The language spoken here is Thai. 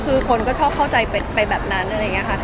คือคนก็ชอบเข้าใจไปแบบนั้นอะไรอย่างนี้ค่ะ